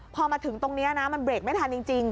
พอมาถึงตรงนี้นะมันเบรกไม่ทันจริง